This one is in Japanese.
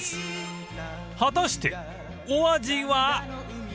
［果たしてお味は？］